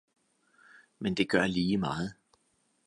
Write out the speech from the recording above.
Men det gør lige meget